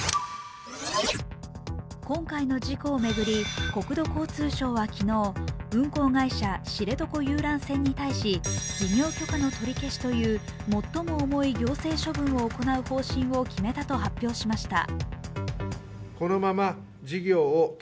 今回の事故を巡り国土交通省は昨日運航会社・知床遊覧船に対し事業許可の取り消しという最も重い行政処分を行う方針を決めたと発表しました。